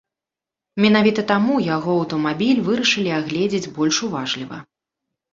Менавіта таму яго аўтамабіль вырашылі агледзець больш уважліва.